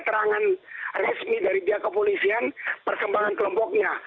ada terangan resmi dari biar kepolisian perkembangan kelompoknya